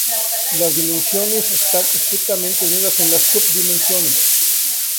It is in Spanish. Las dimensiones están estrictamente unidas en las sub-dimensiones.